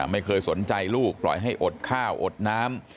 ไม่เคยสนใจลูกปล่อยให้อดข้าวอดน้ำ